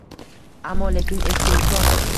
Ammo-lekin eski nikoh...